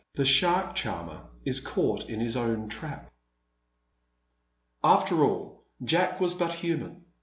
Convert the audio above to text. THE SHARK CHARMER IS CAUGHT IN HIS OWN TRAP. After all, Jack was but human.